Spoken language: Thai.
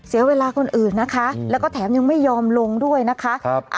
เสียเวลาคนอื่นนะคะแล้วก็แถมยังไม่ยอมลงด้วยนะคะ